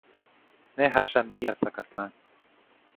Neh, axah niyas Zacatlán.